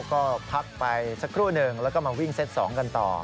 ก็พักไปสักครู่หนึ่งแล้วก็มาวิ่งเซต๒กันต่อ